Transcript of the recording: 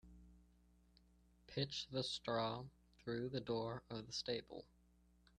Pitch the straw through the door of the stable.